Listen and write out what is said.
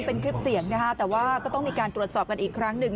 เป็นคลิปเสียงนะฮะแต่ว่าก็ต้องมีการตรวจสอบกันอีกครั้งหนึ่ง